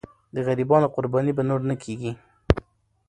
د غریبانو قرباني به نور نه کېږي.